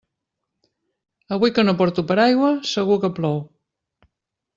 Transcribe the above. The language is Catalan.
Avui que no porto paraigua segur que plou.